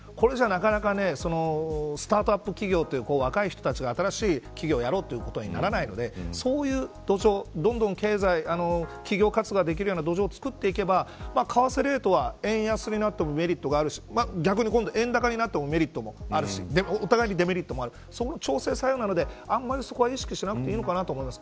それでは、なかなかスタートアップ企業という若い人たちが新しい企業をやろうとならないのでそういう土壌どんどん企業活動ができるような土壌を作っていけば為替レートは円安になってもメリットがあるし逆に円高になってもメリットがあるしでも、お互いにデメリットがあるお互いの調整作用なのであんまり意識しなくていいと思います。